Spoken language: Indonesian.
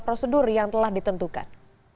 prosedur yang telah ditentukan